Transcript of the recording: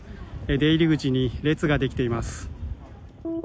出入り口に列ができています。